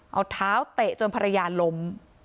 เอาเท้าเตะจนภรรยาล้ม